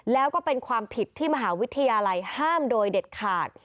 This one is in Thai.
แล้วก็เป็นความผิดที่มหาวิทยาลัยห้ามโดยเด็ดขาด